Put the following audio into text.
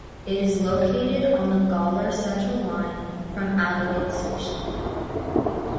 It is located on the Gawler Central line, from Adelaide station.